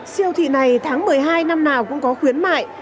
siêu thị này tháng một mươi hai năm nào cũng có khuyến mại